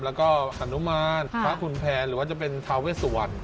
แล้วก็อนุมานพระคุณแพรหรือว่าจะเป็นทาเวสวรรณ